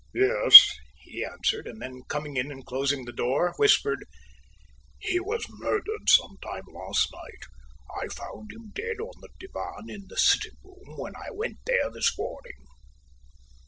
"Yes," he answered, and then coming in and closing the door, whispered: "He was murdered some time last night. I found him dead on the divan in the sitting room, when I went there this morning."